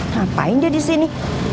ngapain dia disini